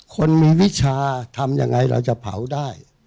คนมีวิชาทำยังไงเราจะเผาได้